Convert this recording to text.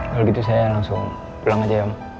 kalau gitu saya langsung pulang aja ya